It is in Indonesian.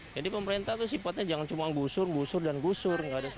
jadi pemerintah itu sifatnya jangan cuma gusur gusur dan gusur